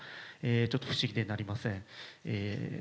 ちょっと不思議でなりません。